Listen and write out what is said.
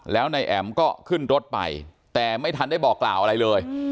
แล้วนายแอ๋มก็ขึ้นรถไปแต่ไม่ทันได้บอกกล่าวอะไรเลย